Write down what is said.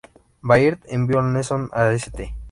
Baird envió a Nelson a St.